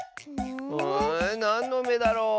んなんのめだろう？